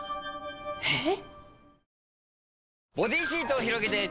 えっ？